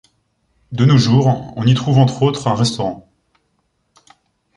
De nos jours, on y trouve entre autres un restaurant.